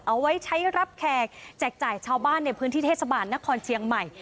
เอาไว้ใช้รับแขกแจกจ่ายชาวบ้านในพื้นที่เทศบาลนครเชียงใหม่